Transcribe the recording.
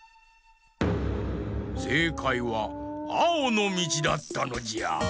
せいかいはあおのみちだったのじゃ。